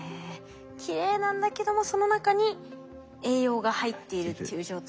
きれいなんだけどもその中に栄養が入っているっていう状態。